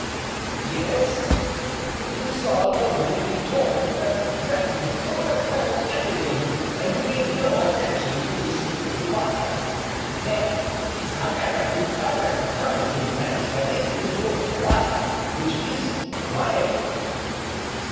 "Yes, you saw only the torrent that threatened to overturn everything and you gave no attention to the still water. There is, however, a proverb current in France relating to water which is quiet."